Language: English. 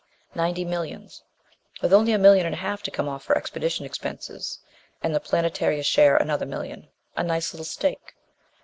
Ninety millions, with only a million and a half to come off for expedition expenses, and the Planetara's share another million. A nice little stake.